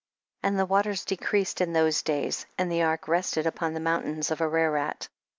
35. And the waters decreased in those days, and the ark rested upon the mountains of Ararat. 36.